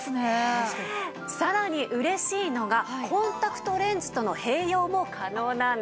さらに嬉しいのがコンタクトレンズとの併用も可能なんです。